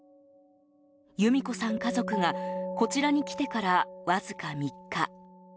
由美子さん家族がこちらに来てからわずか３日。